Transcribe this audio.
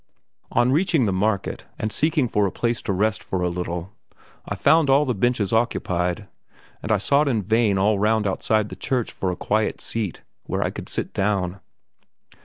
On reaching the market, and seeking for a place to rest for a little, I found all the benches occupied, and I sought in vain all round outside the church for a quiet seat, where I could sit down.